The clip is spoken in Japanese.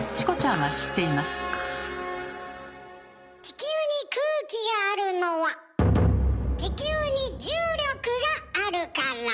地球に空気があるのは地球に重力があるから。